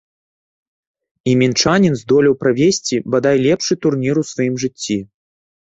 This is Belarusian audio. І мінчанін здолеў правесці, бадай, лепшы турнір у сваім жыцці.